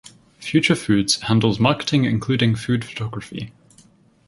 Future Foods handles marketing including food photography.